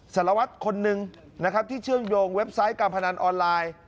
สารวัตรคนหนึ่งนะครับที่เชื่อมโยงเว็บไซต์การพนันออนไลน์